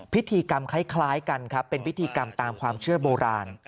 พิธีกรรมคล้ายกันครับเป็นพิธีกรรมตามความเชื่อโบราณ